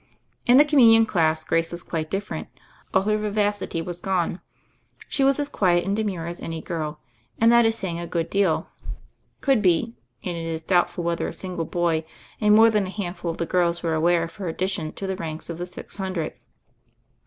In the Communion class Grace was quite dif ferent; all her vivacity was gone. She was as quiet and demure as any girl — and that is saying a good deal — could be; and it is doubt ful whether a single boy and more than a hand ful of the girls were aware of her addition to the ranks of the six hundred.